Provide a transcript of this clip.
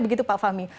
begitu pak fahmi